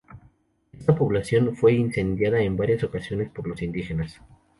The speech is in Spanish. Esta población fue incendiada en varias ocasiones por los indígenas.